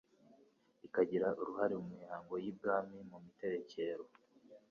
ikagira uruhare mu mihango y'I Bwami, mu miterekero,